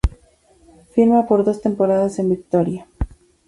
Firma por dos temporadas en Vitoria.